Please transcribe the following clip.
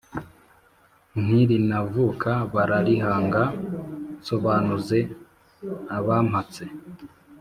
Ntirinavuka bararihanga. Nsobanuze abampatse